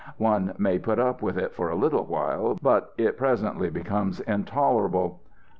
One may put up with it for a little while, but it presently becomes intolerable.